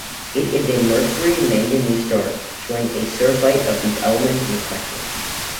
It is a Mercury-Manganese star, showing a surfeit of these elements in the spectrum.